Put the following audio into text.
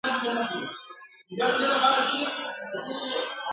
که څوک دي نه پېژني په مسجد کي غلا وکړه !.